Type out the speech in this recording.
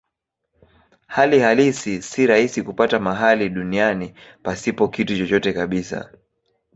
Hali halisi si rahisi kupata mahali duniani pasipo kitu chochote kabisa.